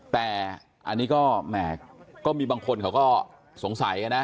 แต่อันนี้ก็แหมก็มีบางคนเขาก็สงสัยนะ